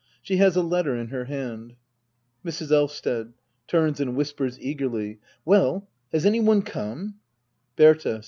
She has a letter in her hand. Mrs. Elvsted. [Turns and whispers eagerly,] Well — has any one come } Berta.